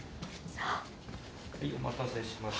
お待たせしました。